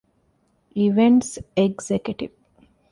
އިވެންޓްސް އެގްޒެކެޓިވް